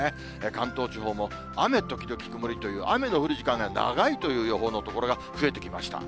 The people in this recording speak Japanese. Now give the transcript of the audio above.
関東地方も雨時々曇りという、雨の降る時間が長いという予報の所が増えてきました。